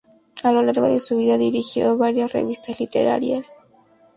A lo largo de su vida, dirigió varias revistas literarias.